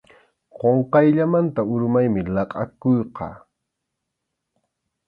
Qunqayllamanta urmaymi laqʼakuyqa.